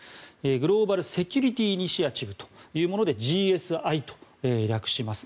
グローバルセキュリティーイニシアチブというものでＧＳＩと略します。